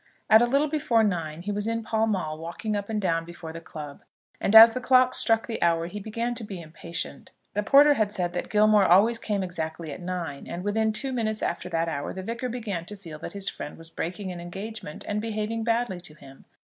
At a little before nine he was in Pall Mall, walking up and down before the club, and as the clocks struck the hour he began to be impatient. The porter had said that Gilmore always came exactly at nine, and within two minutes after that hour the Vicar began to feel that his friend was breaking an engagement and behaving badly to him.